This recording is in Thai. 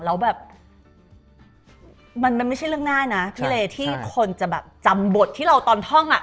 แล้วแบบมันไม่ใช่เรื่องง่ายนะพี่เลที่คนจะแบบจำบทที่เราตอนท่องอ่ะ